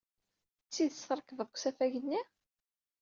D tidet trekbeḍ deg usafag-nni?